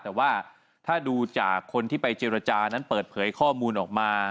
แต่ว่าถ้าดูจากคนที่ไปเจรจานั้นเปิดเผยข้อมูลออกมา